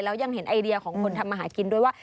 แล้วยังเห็นไอเดียของคนทำมาหากินด้วยว่า